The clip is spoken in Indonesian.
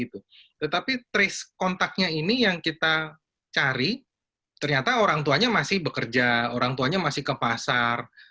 tetapi trace kontaknya ini yang kita cari ternyata orang tuanya masih bekerja orang tuanya masih ke pasar